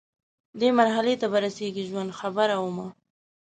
دې مرحلې ته به رسیږي ژوند، خبره ومه